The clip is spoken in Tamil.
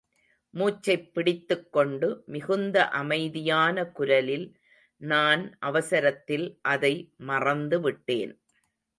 மூச்சைப் பிடித்துக்கொண்டு மிகுந்த அமைதியான குரலில், நான் அவசரத்தில் அதை மறந்துவிட்டேன்.